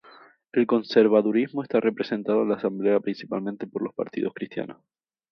El conservadurismo está representado en la Asamblea principalmente por los partidos cristianos.